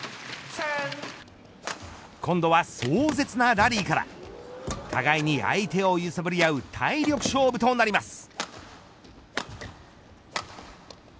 今度は壮絶なラリーから互いに相手を揺さぶり合う体力勝負となります。